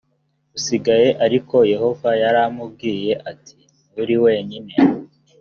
usigaye ariko yehova yaramubwiye ati nturi wenyine